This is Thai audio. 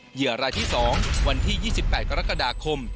เหยื่อรายที่๒วันที่๒๘กรกฎาคม